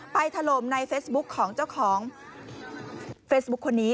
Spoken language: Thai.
ถล่มในเฟซบุ๊คของเจ้าของเฟซบุ๊คคนนี้